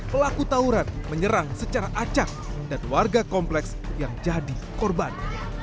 pelaku tauran menyerang secara acak dan warga kompleks yang jadi korban